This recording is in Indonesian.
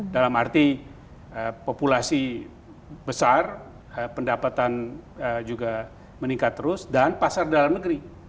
dalam arti populasi besar pendapatan juga meningkat terus dan pasar dalam negeri